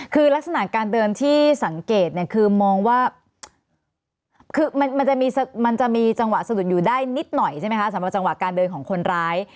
คือลักษณะการเดินที่สังเกตเนี่ยคือมองว่าคือมันจะมีจังหวะสะดุดอยู่ได้นิดหน่อยใช่ไหมคะสำหรับจังหวะการเดินของคนร้าย